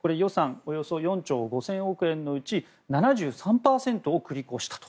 およそ４兆５０００億円のうち７３％を繰り越したと。